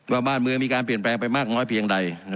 ว่าบ้านเมืองมีการเปลี่ยนแปลงไปมากน้อยเพียงใด